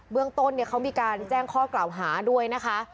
เรื่องต้นเขามีการแจ้งข้อกล่าวหาด้วยนะคะ